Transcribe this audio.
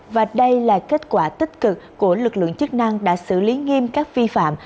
và đây là kết quả tích cực của lực lượng chức năng đã xử lý nghiêm các vi phạm